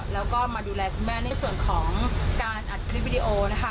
แล้วก็มาดูแลคุณแม่ในส่วนของการอัดคลิปวิดีโอนะคะ